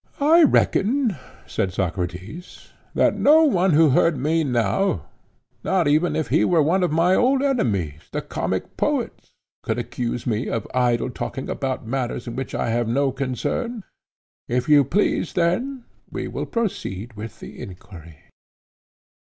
I reckon, said Socrates, that no one who heard me now, not even if he were one of my old enemies, the Comic poets, could accuse me of idle talking about matters in which I have no concern:—If you please, then, we will proceed with the inquiry.